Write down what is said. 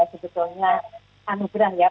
sebetulnya anugerah ya